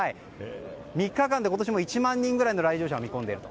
３日間で今年も１万人くらいの来場者を見込んでいると。